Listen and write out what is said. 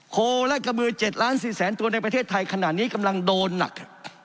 โคและกระบือ๗ล้าน๔แสนตัวในประเทศไทยขณะนี้กำลังโดนหนัก